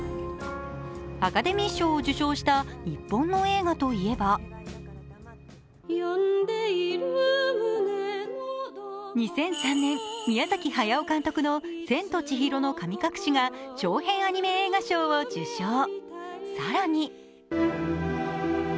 アカデミー賞を受賞した日本の映画といえば２００３年、宮崎駿監督の「千と千尋の神隠し」が長編アニメ映画賞を受賞。